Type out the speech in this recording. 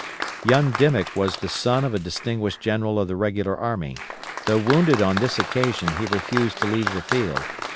[* Young Dimick was the son of a distinguished general of the regular army. Though wounded on this occasion he refused to leave the field.